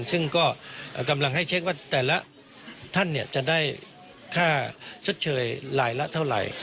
ซึ่งก็กำลังให้เช็คว่าแต่ละท่านจะได้ค่าชดเชยรายละเท่าไหร่